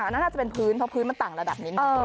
น่าจะเป็นพื้นเพราะพื้นมันต่างระดับนิดนึง